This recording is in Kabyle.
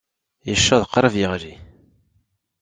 Yecceḍ qrib yeɣli.